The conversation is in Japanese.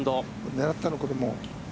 狙ったら、これも。